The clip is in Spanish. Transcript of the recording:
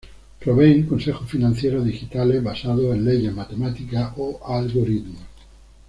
Proveen consejos financieros digitales basados en leyes matemáticas o algoritmos.